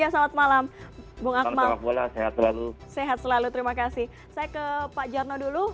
salam malam saya ke pak jarno dulu